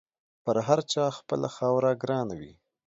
پر هر چا خپله خاوره ګرانه وي.